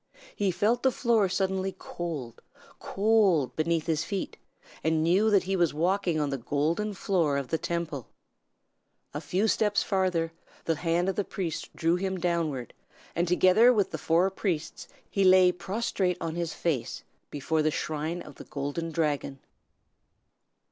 He felt the floor suddenly cold, cold, beneath his feet, and knew that he was walking on the golden floor of the Temple. A few steps farther, the hand of the priest drew him downward, and together with the four priests he lay prostrate on his face before the shrine of the Golden Dragon.